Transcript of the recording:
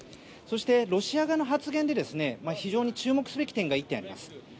そしてロシア側の発言で非常に注目すべき点が１点あります。